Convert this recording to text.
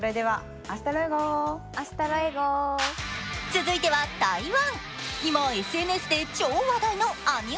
続いては台湾。